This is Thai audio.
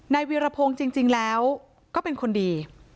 วีรพงศ์จริงแล้วก็เป็นคนดี